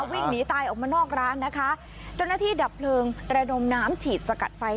วิ่งหนีตายออกมานอกร้านนะคะเจ้าหน้าที่ดับเพลิงระดมน้ำฉีดสกัดไฟ